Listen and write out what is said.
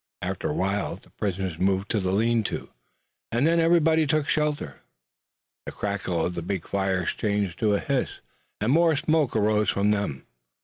After a while the prisoners moved to the lean tos, and then everybody took shelter. The crackle of the big fires changed to a hiss, and more smoke arose from them.